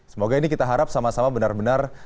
semoga ini kita harap sama sama benar benar